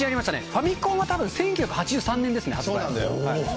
ファミコンはたぶん、１９８３年ですね、発売。